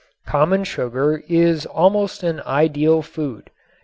Common sugar is almost an ideal food.